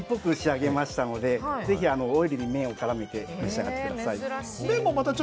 つけめんっぽく仕上げましたので、ぜひオイルに麺を絡めて召し上がってください。